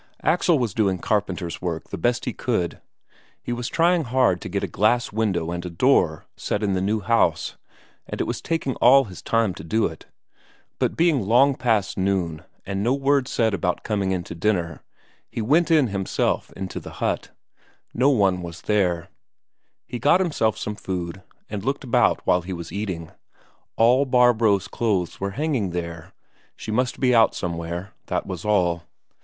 Axel was doing carpenter's work the best he could; he was trying hard to get a glass window and a door set in the new house, and it was taking all his time to do it. But being long past noon, and no word said about coming in to dinner, he went in himself into the hut. No one there. He got himself some food, and looked about while he was eating. All Barbro's clothes were hanging there; she must be out somewhere, that was all.